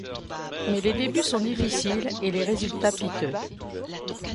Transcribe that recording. Mais les débuts sont difficiles et les résultats piteux.